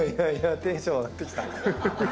テンション上がってきた。